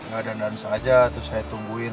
gak dandan saja terus saya tungguin